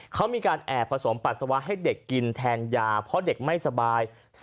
เขามีการแอบผสมปัสสาวะให้เด็กกินแทนยาเพราะเด็กไม่สบาย